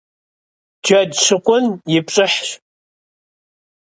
Джэд щыкъун и пщӀыхьщ.